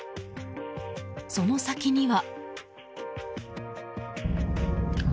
その先には。